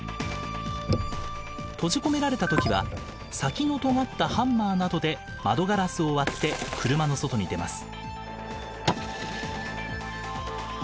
閉じ込められた時は先のとがったハンマーなどで窓ガラスを割って車の外に出ます。